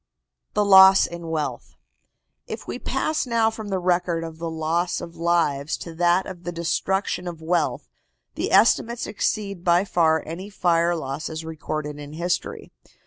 THE LOSS IN WEALTH. If we pass now from the record of the loss of lives to that of the destruction of wealth, the estimates exceed by far any fire losses recorded in history.